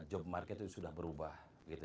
job market sudah berubah